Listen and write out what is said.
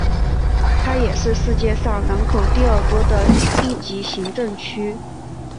它也是世界上人口第二多的一级行政区。